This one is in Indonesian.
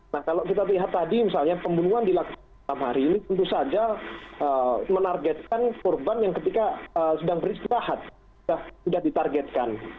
nah kalau kita lihat tadi misalnya pembunuhan dilakukan dalam hari ini tentu saja menargetkan korban yang ketika sedang beristirahat sudah ditargetkan